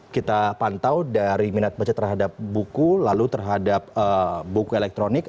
kita pantau dari minat baca terhadap buku lalu terhadap buku elektronik